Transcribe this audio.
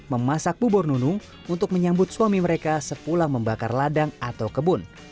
memasak bubur nunung untuk menyambut suami mereka sepulang membakar ladang atau kebun